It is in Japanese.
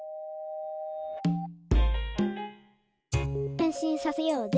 「へんしんさせようぜ」